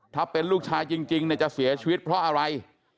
ถ้าเป็นลูกชายจริงจะเสียชีวิตเพราะอะไร